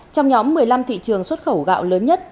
trong nhóm một mươi năm thị trường xuất khẩu gạo lớn nhất